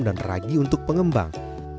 dan ragi untuk pengembang